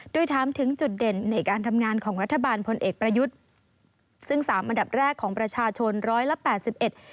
โดยถามถึงจุดเด่นในการทำงานของรัฐบาลพลเอกประยุทธ์ซึ่งสามอันดับแรกของประชาชนร้อยละแปดสิบเอ็ด